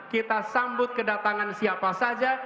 kita sambut kedatangan siapa saja